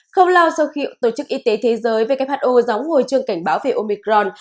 không lâu sau khi tổ chức y tế thế giới who gióng hồi trường cảnh báo về omicron